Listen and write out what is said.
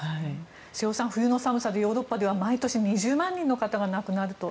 瀬尾さん、冬の寒さでヨーロッパでは毎年２０万人の方が亡くなると。